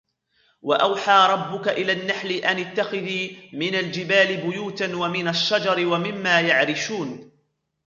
وَأَوْحَى رَبُّكَ إِلَى النَّحْلِ أَنِ اتَّخِذِي مِنَ الْجِبَالِ بُيُوتًا وَمِنَ الشَّجَرِ وَمِمَّا يَعْرِشُونَ